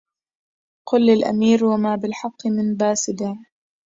قل للأمير وما بالحق من باسدع